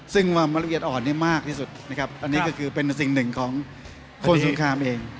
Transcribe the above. ซึ่งความละเอียดอ่อนนี่มากที่สุดนะครับอันนี้ก็คือเป็นสิ่งหนึ่งของคนสงครามเอง